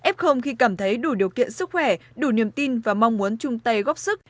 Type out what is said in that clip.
f khi cảm thấy đủ điều kiện sức khỏe đủ niềm tin và mong muốn chung tay góp sức